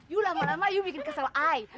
you lama lama you bikin kesel i